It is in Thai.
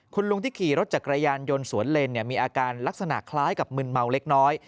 คุณลุงที่ขี่รถจักรยานยนต์สวนเลนมีอาการลักษณะคล้ายกับมึนเมาเล็กน้อย